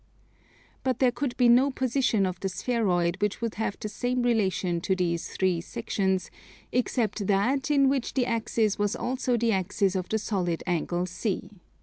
But there could be no position of the spheroid which would have the same relation to these three sections except that in which the axis was also the axis of the solid angle C.